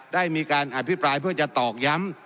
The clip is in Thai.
ได้มีการอภิปรายเพื่อจะตอกย้ำ